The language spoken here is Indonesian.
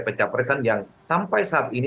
pecah capresan yang sampai saat ini